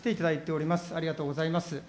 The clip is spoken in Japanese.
ありがとうございます。